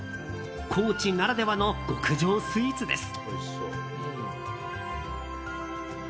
高知ならではの極上スイーツです。